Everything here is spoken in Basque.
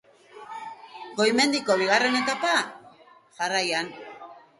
Goi-mendiko bigarren etapa jarraian.